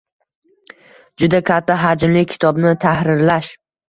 Juda katta hajmli kitobni tahrirlash